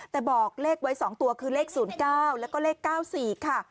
แต่บอกเลขไว้๒ตัวคือเลข๐๙แล้วก็เลข๙๔ค่ะ